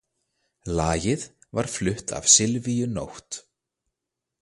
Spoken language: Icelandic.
Lagið var flutt af Silvíu Nótt.